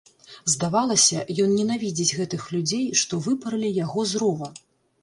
Здавалася, ён ненавідзіць гэтых людзей, што выпаралі яго з рова.